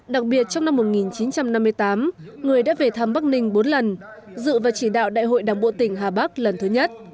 đặc biệt trong năm một nghìn chín trăm năm mươi tám người đã về thăm bắc ninh bốn lần dự và chỉ đạo đại hội đảng bộ tỉnh hà bắc lần thứ nhất